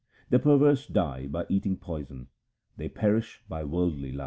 The perverse die by eating poison ; they perish by worldly love.